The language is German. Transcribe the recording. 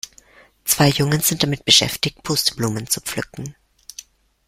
Zwei Jungen sind damit beschäftigt, Pusteblumen zu pflücken.